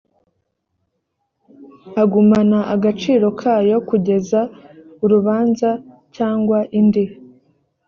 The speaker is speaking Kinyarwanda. agumana agaciro kayo kugeza urubanza cyangwa indi